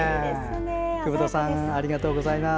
久保田さんありがとうございます。